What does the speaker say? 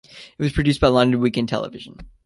It was produced by London Weekend Television.